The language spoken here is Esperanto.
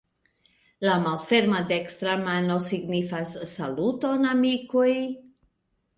La malferma dekstra mano signifas "Saluton amikoj!